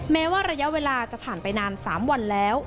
แม้ว่าระยะเวลาจะผ่านไปนาน๓วันแล้ว